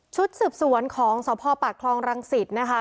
ชุดสืบสวนของสพปากคลองรังสิตนะคะ